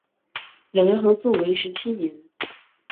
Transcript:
两人合作为时七年。